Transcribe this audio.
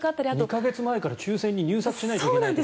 ２か月前に抽選に入札しなきゃいけないとか。